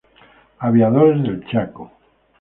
Aviadores del Chaco.